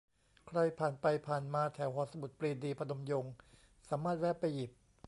ใครผ่านไปผ่านมาแถวหอสมุดปรีดี พนมยงค์ สามารถแวะไปหยิบ